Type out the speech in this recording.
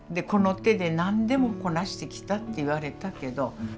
この手で何でもこなしてきたって言われたけど。